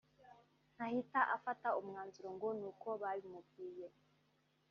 ntahita afata umwanzuro ngo nuko babimubwiye